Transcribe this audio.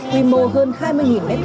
quy mô hơn hai mươi m hai